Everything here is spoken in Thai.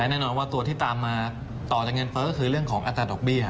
แน่นอนว่าตัวที่ตามมาต่อจากเงินเฟ้อก็คือเรื่องของอัตราดอกเบี้ย